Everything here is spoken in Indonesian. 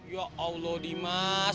ya allah dimas